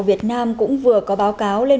việt nam cũng vừa có báo cáo lên